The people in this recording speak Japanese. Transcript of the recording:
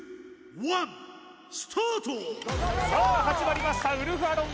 さあ始まりましたウルフアロン